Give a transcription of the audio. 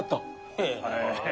へえ。